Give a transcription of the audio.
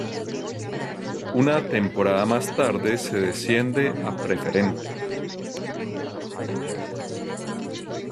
Una temporada más tarde se desciende a Preferente.